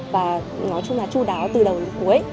và nói chung là chu đáo từ đầu đến cuối